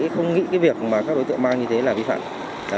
không nghĩ cái việc mà các đối tượng mang như thế là vi phạm